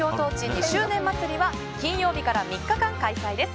２周年まつりは金曜日から３日間開催です。